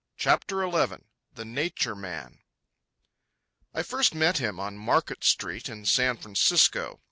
CHAPTER XI THE NATURE MAN I first met him on Market Street in San Francisco.